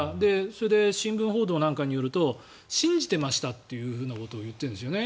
新聞報道なんかによると信じてましたということを言っているんですよね